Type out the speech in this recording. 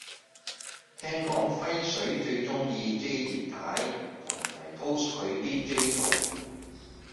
聽講渾水最鍾意 J 葉太，同埋 post 佢啲 J 圖